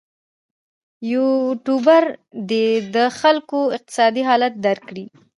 یوټوبر دې د خلکو اقتصادي حالت درک کړي.